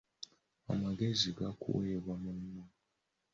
Amagezi gakuweebwa munno.